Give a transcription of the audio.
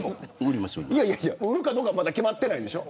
売るかどうかは決まってないんでしょ。